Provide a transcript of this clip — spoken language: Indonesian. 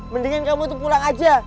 mendingan kamu pulang aja